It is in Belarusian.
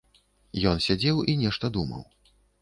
Ён сядзеў і нешта думаў.